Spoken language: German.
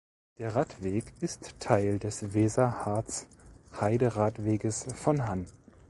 Der Radweg ist Teil des Weser-Harz-Heide-Radweges von Hann.